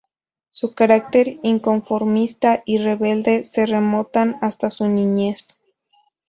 Su carácter inconformista y rebelde se remonta hasta su niñez.